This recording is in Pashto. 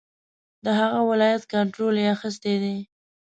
د هغه ولایت کنټرول یې اخیستی دی.